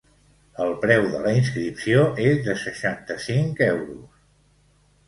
El preu de la inscripció és de seixanta-cinc euros.